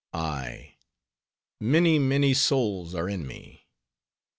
Ay: many, many souls are in me.